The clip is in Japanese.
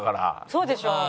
そうでしょう。